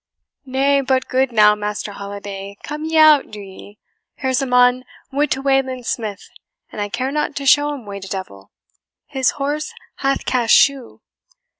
"Nay, but, good now, Master Holiday, come ye out, do ye. Here's a mon would to Wayland Smith, and I care not to show him way to devil; his horse hath cast shoe."